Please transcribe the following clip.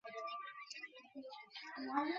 ও কী একা আছে?